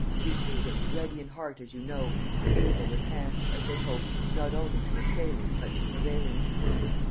You see them, ready in heart as you know, and able with hands, as they hope, not only to assailing, but to prevailing.